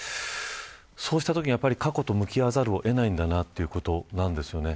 そうしたときに過去と向きあわざるを得ないということなんですよね。